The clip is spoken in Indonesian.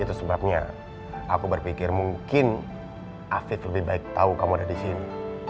itu sebabnya aku berpikir mungkin afif lebih baik tau kamu ada disini